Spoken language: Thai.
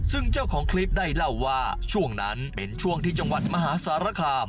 ซึ่งเจ้าของคลิปได้เล่าว่าช่วงนั้นเป็นช่วงที่จังหวัดมหาสารคาม